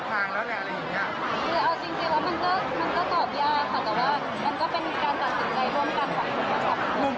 แต่ว่ามันก็เป็นการตัดสินใจร่วมกันของคุณค่ะ